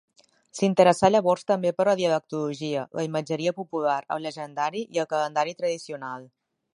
S'interessà llavors també per la dialectologia, la imatgeria popular, el llegendari i el calendari tradicional.